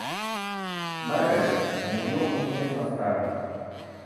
Margaret murió un mes más tarde.